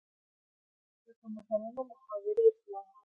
لکه متلونه، محاورې ،اصطلاحات